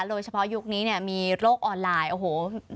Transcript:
โดยเฉพาะยุคนี้เนี้ยมีโรคออนไลน์โอ้โห